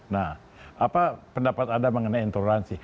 nah apa pendapat anda mengenai intoleransi